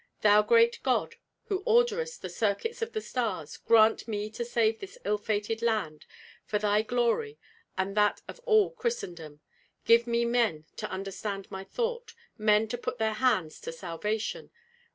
Thou great God, who orderest the circuits of the stars, grant me to save this ill fated land, for thy glory and that of all Christendom; give me men to understand my thought, men to put their hands to salvation.